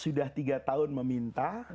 sudah tiga tahun meminta